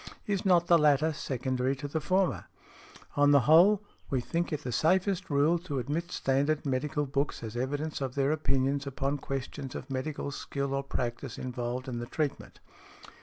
Is not the latter secondary to the former? On the whole, we think it the safest rule to admit standard medical books as evidence of their opinions upon questions of medical skill or practice involved in the treatment."